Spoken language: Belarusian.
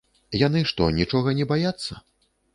Яны што, нічога не баяцца?